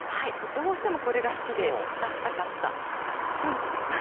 どうしてもこれが好きで出したかった。